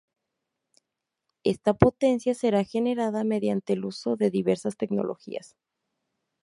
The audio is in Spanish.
Esta potencia será generada mediante el uso de diversas tecnologías.